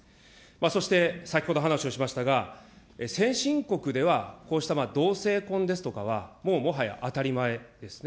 そして、先ほど話をしましたが、先進国では、こうした同性婚ですとかは、もうもはや当たり前ですね。